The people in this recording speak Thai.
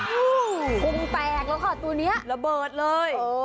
คุณแปลงแล้วค่ะตัวนี้ระเบิดเลย